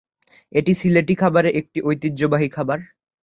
এটি সিলেটি খাবারে একটি ঐতিহ্যবাহী খাবার।